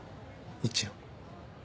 一応。